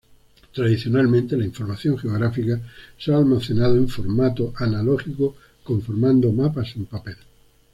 Tradicionalmente la Información Geográfica se ha "almacenado" en formato analógico conformando mapas en papel.